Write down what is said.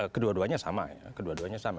kedua duanya sama ya kedua duanya sama